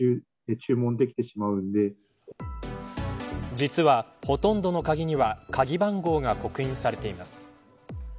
実はほとんどの鍵には鍵番号が刻印されています。